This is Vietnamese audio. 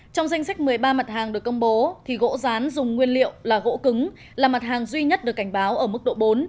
trong danh sách một mươi ba mặt hàng được công bố thì gỗ rán dùng nguyên liệu là gỗ cứng là mặt hàng duy nhất được cảnh báo ở mức độ bốn